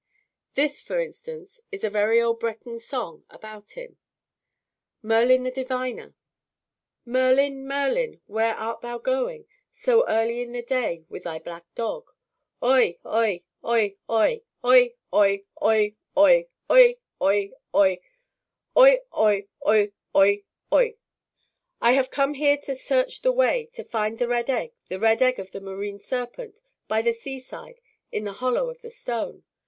This, for instance, is a very old Breton song about him: MERLIN THE DIVINER Merlin! Merlin! where art thou going So early in the day, with thy black dog? Oi! oi! oi! oi! oi! oi! oi! oi! oi! oi! oi! Oi! oi! oi! oi! oi! I have come here to search the way, To find the red egg; The red egg of the marine serpent, By the seaside, in the hollow of the stone.